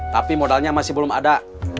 tapi modalnya masih belum ada